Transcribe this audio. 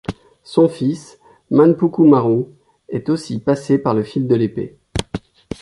Son fils, Manpukumaru est aussi passé par le fil de l'épée.